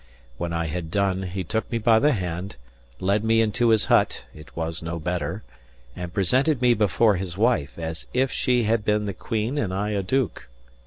When I had done, he took me by the hand, led me into his hut (it was no better) and presented me before his wife, as if she had been the Queen and I a duke.